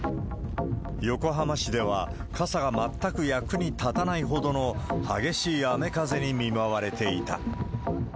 横浜市では、傘が全く役に立たないほどの激しい雨風に見舞われていた。